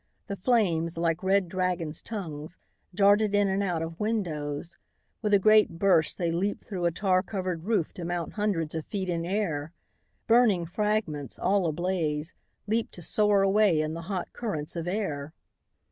The flames, like red dragons' tongues, darted in and out of windows. With a great burst they leaped through a tar covered roof to mount hundreds of feet in air. Burning fragments, all ablaze, leaped to soar away in the hot currents of air.